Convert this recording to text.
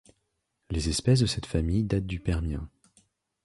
Les espèces de cette famille datent du Permien.